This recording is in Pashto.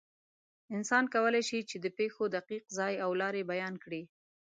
انسان کولی شي، چې د پېښې دقیق ځای او لارې بیان کړي.